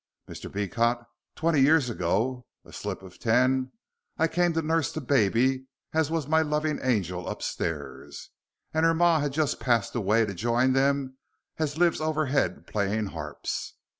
Mr. Beecot, twenty year ago, a slip of ten, I come to nuss the baby as was my loving angel upstairs, and her ma had just passed away to jine them as lives overhead playing harps.